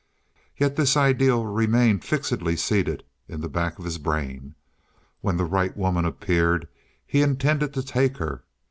Yet this ideal remained fixedly seated in the back of his brain—when the right woman appeared he intended to take her.